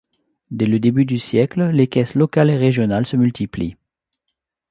Dès le début du siècle, les caisses locales et régionales se multiplient.